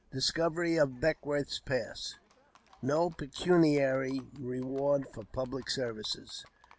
Discovery of Beckwourth's Pass — No pecuniary Eeward for public Services.